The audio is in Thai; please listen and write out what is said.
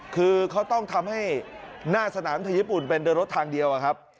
คือเขาต้องทำให้หน้าสนามไทยญี่ปุ่นเป็นเดินรถทางเดียวอะครับ